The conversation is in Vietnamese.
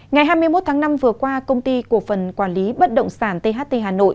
ngày hai mươi một tháng năm vừa qua công ty cổ phần quản lý bất động sản tht hà nội